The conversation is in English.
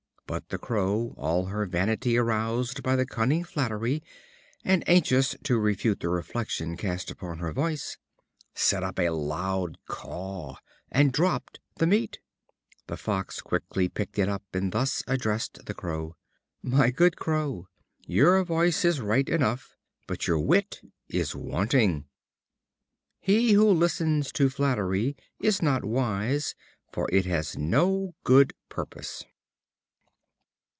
But the Crow, all her vanity aroused by the cunning flattery, and anxious to refute the reflection cast upon her voice, set up a loud caw, and dropped the flesh. The Fox quickly picked it up, and thus addressed the Crow: "My good Crow, your voice is right enough, but your wit is wanting." He who listens to flattery is not wise, for it has no good purpose.